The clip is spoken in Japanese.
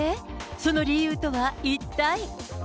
その理由とは一体。